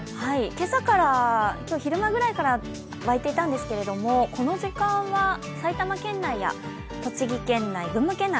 今朝から今日昼間くらいから湧いていたんですがこの時間は埼玉県内や栃木県内、群馬県内